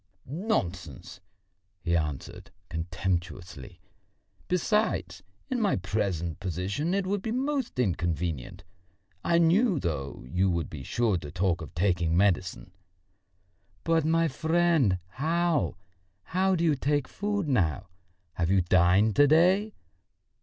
"Nonsense!" he answered contemptuously. "Besides, in my present position it would be most inconvenient. I knew, though, you would be sure to talk of taking medicine." "But, my friend, how ... how do you take food now? Have you dined to day?"